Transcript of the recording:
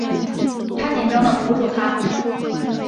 她紧张的扶住她